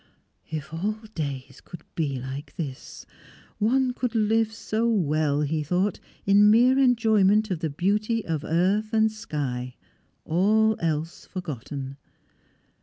If all days could be like this! One could live so well, he thought, in mere enjoyment of the beauty of earth and sky, all else forgotten.